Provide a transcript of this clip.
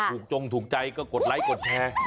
ถ้าทุกคนต้องถูกใจก็กดไลค์กดแชร์